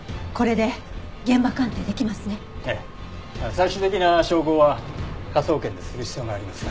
最終的な照合は科捜研でする必要がありますが。